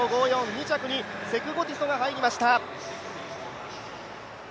２着にセクゴディソが入りました。